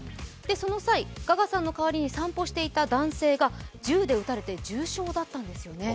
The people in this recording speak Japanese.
その際、ガガさんの代わりに散歩していた男性が銃で撃たれて重傷だったんですよね。